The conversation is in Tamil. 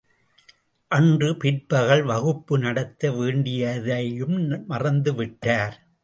அன்று பிற்பகல் வகுப்பு நடத்த வேண்டியதையும் மறந்து விட்டார்.